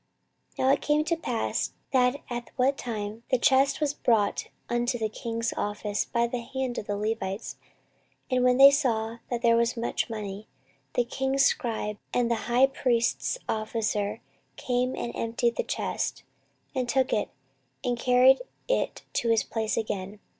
14:024:011 Now it came to pass, that at what time the chest was brought unto the king's office by the hand of the Levites, and when they saw that there was much money, the king's scribe and the high priest's officer came and emptied the chest, and took it, and carried it to his place again.